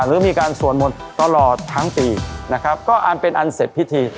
หรือมีการสวดมนต์ตลอดทั้งปีนะครับก็อันเป็นอันเสร็จพิธี